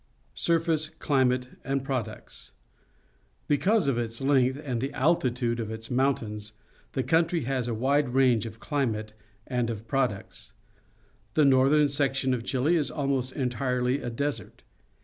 Surface, Climate, and Products. — Because of its length and the altitude of its mountains, the country has a wide range of cUmate and of products. The northern section of Chile is almost entirely a desert.